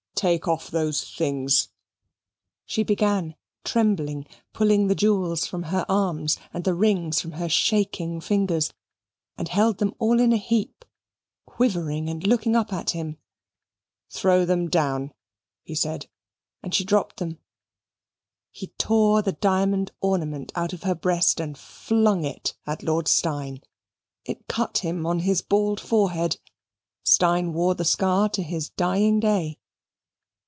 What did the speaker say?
"Take off those things." She began, trembling, pulling the jewels from her arms, and the rings from her shaking fingers, and held them all in a heap, quivering and looking up at him. "Throw them down," he said, and she dropped them. He tore the diamond ornament out of her breast and flung it at Lord Steyne. It cut him on his bald forehead. Steyne wore the scar to his dying day.